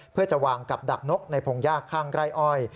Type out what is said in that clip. เพื่อจะวางกับดักนกในพงยากข้างไร่อ้อย